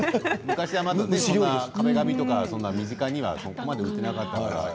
昔は壁紙とかそんなに身近には売ってなかったから。